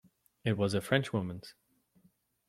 It was a Frenchwoman's.